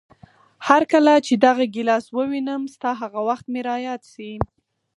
هرکله چې دغه ګیلاس ووینم، ستا هغه وخت مې را یاد شي.